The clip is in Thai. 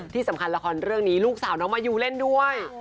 ที่สำคัญละครเรื่องนี้ลูกสาวน้องมายูเล่นด้วย